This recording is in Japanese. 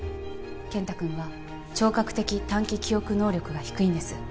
健太君は聴覚的短期記憶能力が低いんです